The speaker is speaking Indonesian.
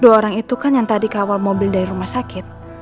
dua orang itu kan yang tadi kawal mobil dari rumah sakit